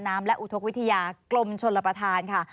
น้ำและอุทธกวิทยากรมชนรภาษา